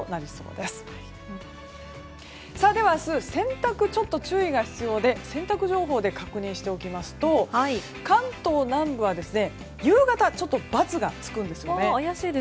では明日洗濯にちょっと注意が必要で洗濯情報で確認しておきますと関東南部は夕方、×がつくんですね。